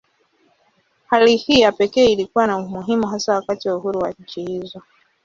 Hali hii ya pekee ilikuwa na umuhimu hasa wakati wa uhuru wa nchi hizo.